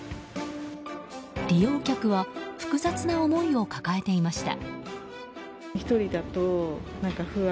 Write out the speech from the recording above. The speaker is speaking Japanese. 利用客は複雑な思いを抱えていました。